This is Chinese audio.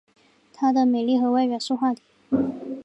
她的美丽和外表是话题。